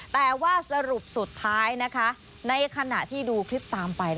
แต่ว่าสรุปสุดท้ายนะคะในขณะที่ดูคลิปตามไป